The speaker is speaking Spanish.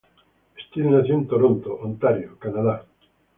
Steele nació en Toronto, Ontario, Canadá.